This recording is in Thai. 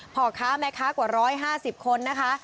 พ่อค้าแม่ค้ากว่า๑๕๐คนนะคะ